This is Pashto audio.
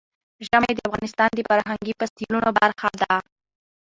ژمی د افغانستان د فرهنګي فستیوالونو برخه ده.